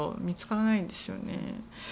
見つからないですよね。